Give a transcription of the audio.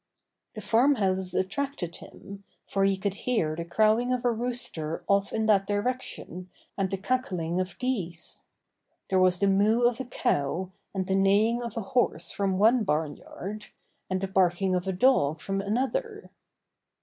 The farm houses attracted him, for he could hear the crowing of a rooster off in that direc tion and the cackling of geese. There was the 98 Buster the Bear moo of a cow and the neighing of a horse from one barn yard, and the barking of a dog from another.